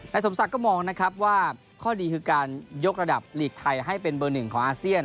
ในสมศักดิ์ก็มองว่าข้อดีก็คือการยกระดับลีกไทยให้เป็นเบอร์๑ของอาเซียน